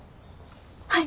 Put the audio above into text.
はい！